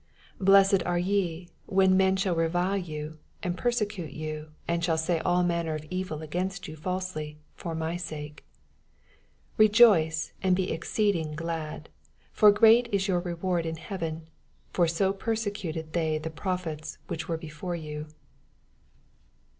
11 Blessed are ye, when men shall revile you, and persecute you^ and shall say all manner of evil against you felsely, for my sake. 12 Bejoice, and be exceeding glad : for great is your reward in heaven : for so persecuted they the prophets I which were before you.